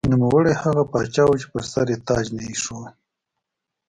نوموړی هغه پاچا و چې پر سر یې تاج نه ایښوده.